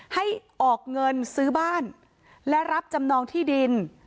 ให้ออกเงินซื้อบ้านและรับจำนองที่ดิน